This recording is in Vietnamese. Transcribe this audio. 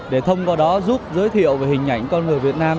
để thông qua đó giúp giới thiệu về hình ảnh con người việt nam